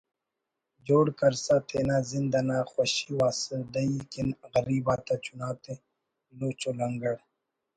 جوڑ کرسا تینا زند انا خوشی و آسودہی کن غریب آتا چناتے لوچ و لنگڑ